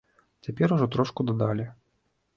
Цяпер ужо трошку дадалі.